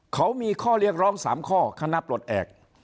เขามีข้อเรียกร้อง๓ข้อคณะปลดแอบ